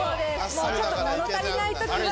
もうちょっと物足りない時は。